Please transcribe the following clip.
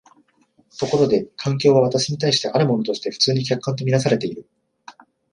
ところで環境は私に対してあるものとして普通に客観と看做されている。